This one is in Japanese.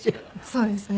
そうですね。